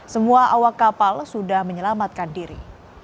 semua awak kapal sudah menyelamatkan diri